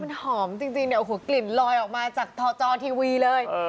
มันหอมจริงอัระหัสกลิ่นรอยออกมาจากทอจอร์ทีวีเลย